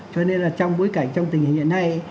cho nên là trong bối cảnh trong tình hình hiện nay